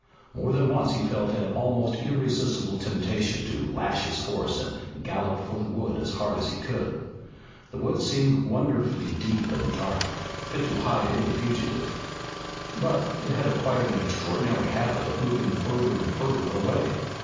More than once he felt an almost irresistible temptation to lash his horse and gallop for the wood as hard as he could. That wood seemed wonderfully deep and dark, fit to hide any fugitive. But it had acquired an extraordinary habit of moving further and further away.